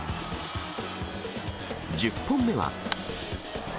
１０本目は。